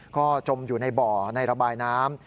ก็จมอยู่ในบ่อในระบายน้ำ